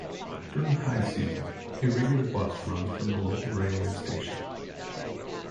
During high season, a regular bus runs from the local railway station.